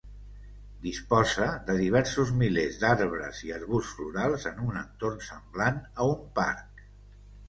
Disposa de diversos milers d'arbres i arbusts florals en un entorn semblant a un parc.